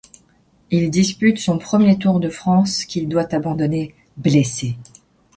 Il dispute son premier Tour de France, qu'il doit abandonner, blessé.